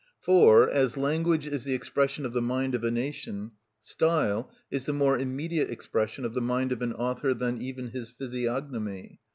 For, as language is the expression of the mind of a nation, style is the more immediate expression of the mind of an author than even his physiognomy.